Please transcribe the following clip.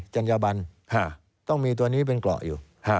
จัญญาบันต้องมีตัวนี้เป็นเกราะอยู่